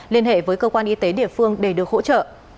liên hệ với cơ quan y tế địa phương để được hỗ trợ